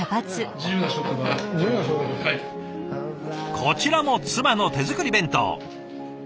こちらも妻の手作り弁当。